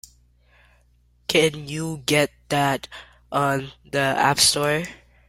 Can you get that on the App Store?